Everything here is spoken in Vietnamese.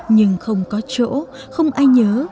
nhưng không có chỗ không ai nhớ